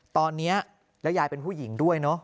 ตอนนี้แล้วยายเป็นผู้หญิงด้วยเนอะ